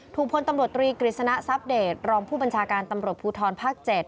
พลตำรวจตรีกฤษณะทรัพเดตรองผู้บัญชาการตำรวจภูทรภาค๗